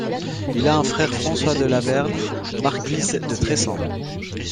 Il a un frère François de La Vergne, marquis de Tressan.